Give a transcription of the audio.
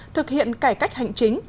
thực hiện cải cách hành chính